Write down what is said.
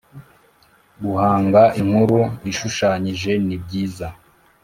Guhanga inkuru ishushanyije nibyiza